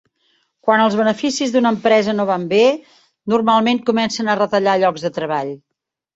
Quan els beneficis d'una empresa no van bé, normalment comencen a retallar llocs de treball.